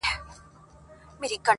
بس وینا کوه د خدای لپاره سپینه.